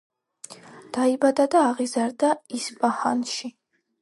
დაიბადა და აღიზარდა ისპაჰანში.